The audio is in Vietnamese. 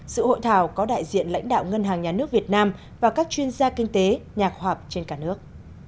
sự hội thảo có đại diện lãnh đạo ngân hàng nhà nước việt nam và các chuyên gia kinh tế nhạc họp trên cả nước